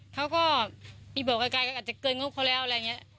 เขาก็อีเบิกไกลก็อาจจะเกินงบเขาแล้วอะไรอย่างนี้